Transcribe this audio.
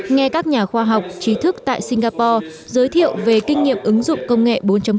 nghe các nhà khoa học trí thức tại singapore giới thiệu về kinh nghiệm ứng dụng công nghệ bốn